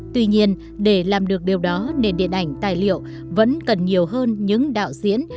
tuy nhiên để làm được điều đó nền điện ảnh tài liệu vẫn cần nhiều hơn những đạo diễn